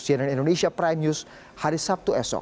cnn indonesia prime news hari sabtu esok